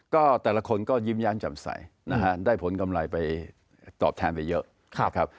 ก็แต่ละคนก็ยิ้มแย้มจำใสนะฮะได้ผลกำไรไปตอบแทนไปเยอะนะครับ